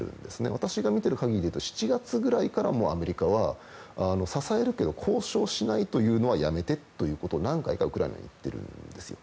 私が見ている限りで７月ぐらいからアメリカは支えるけど交渉しないというのはやめてということを何回かウクライナに言っているんですよ。